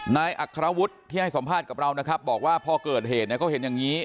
นายอัครวุฒิที่ให้สัมภาษณ์กับเรานะครับบอกว่าพอเกิดเหตุเนี่ยเขาเห็นอย่างนี้